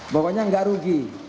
pokoknya enggak rugi